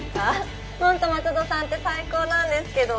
本当松戸さんって最高なんですけど。